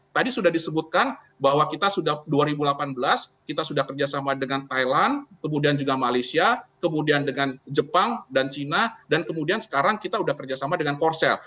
tadi sudah disebutkan bahwa kita sudah dua ribu delapan belas kita sudah kerjasama dengan thailand kemudian juga malaysia kemudian dengan jepang dan cina dan kemudian sekarang kita sudah kerjasama dengan korsel